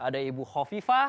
ada ibu hovifah